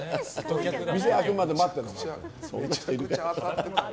店開くまで待ってるの。